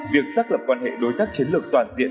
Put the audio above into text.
việc xác lập quan hệ đối tác chiến lược toàn diện